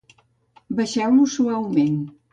Baixeu-los suaument.